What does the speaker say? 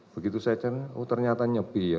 begitu saya cender oh ternyata nyepi ya